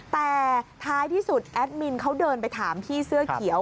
แต่ท้ายที่สุดแอดมินเขาเดินไปถามพี่เสื้อเขียว